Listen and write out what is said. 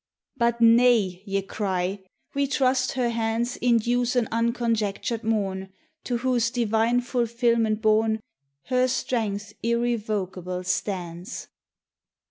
" But nay! " ye cry, " we trust her hands Induce an unconjectured morn, To whose divine fulfillment born Her strength irrevocable stands."